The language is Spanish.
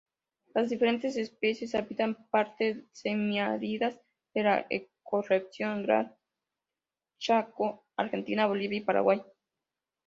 Las diferentes especies habitan partes semiáridas de la ecorregión Gran Chaco: Argentina, Bolivia, Paraguay.